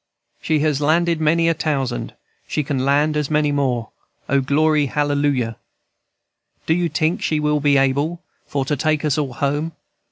"She has landed many a tousand, She can land as many more. O, glory, hallelujah! &c. "Do you tink she will be able For to take us all home?